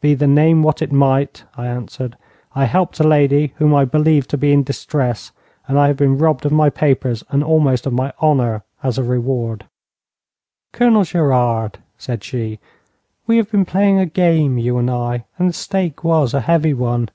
'Be the name what it might,' I answered, 'I helped a lady whom I believed to be in distress, and I have been robbed of my papers and almost of my honour as a reward.' 'Colonel Gerard,' said she, 'we have been playing a game, you and I, and the stake was a heavy one.